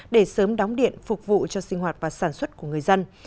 để sớm đóng điện phục vụ cho sinh hoạt và sản xuất của người dân